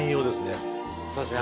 そうですね